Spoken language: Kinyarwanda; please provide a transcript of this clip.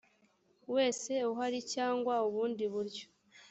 wese uhari cyangwa ubundi buryo